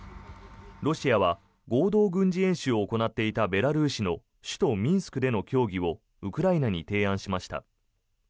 ロシアは合同軍事演習を行っていたベラルーシの首都ミンスクでの協議をウクライナに提案しました。